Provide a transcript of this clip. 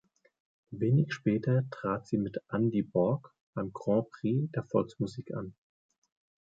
Wenig später trat sie mit Andy Borg beim Grand Prix der Volksmusik an.